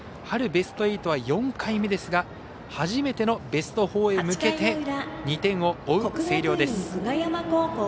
春ベスト８は４回目ですが初めてのベスト４へ向けて２点を追う星稜です。